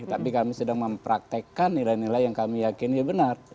tapi kami sedang mempraktekkan nilai nilai yang kami yakin ya benar